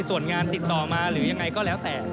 ส่วนงานติดต่อมาหรือยังไงก็แล้วแต่